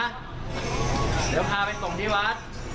เดี๋ยวพาไปส่งที่วัด